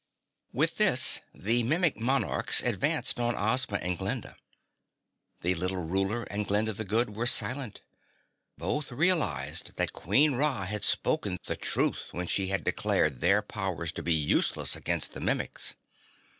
With this the Mimic Monarchs advanced on Ozma and Glinda. The little Ruler and Glinda the Good were silent. Both realized that Queen Ra had spoken the truth when she had declared their powers to be useless against the Mimics.